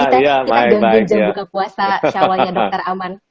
kita gembira buka puasa shalwa ya dokter aman